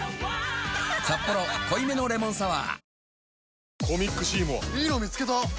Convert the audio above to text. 「サッポロ濃いめのレモンサワー」